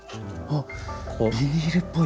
あっビニールっぽい？